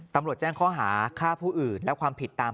ตำรวจแจ้งข้อหาฆ่าผู้อื่นและความผิดตาม